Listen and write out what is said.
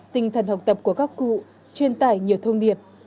tinh thần học tập của các cụ truyền tải nhiều thông điệp